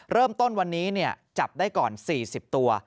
เริ่มต้นวันนี้จับได้ก่อน๔๐ตัว